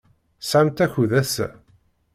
Tesɛamt akud ass-a?